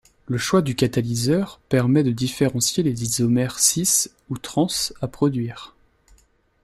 Le choix du catalyseur permet de différencier les isomères cis ou trans à produire.